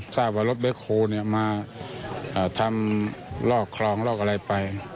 ทราบว่ารถแบคโฮลมาทำลอกคลองลอกอะไรไป